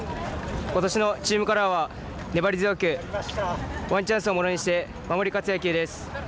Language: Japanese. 今年のチームカラーは、粘り強くワンチャンスをものにして守り勝つ野球です。